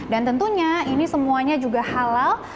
dan tentunya ini semuanya juga halal